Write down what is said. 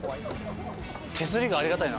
手すりがありがたいな。